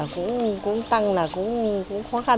cũng tăng là cũng khó khăn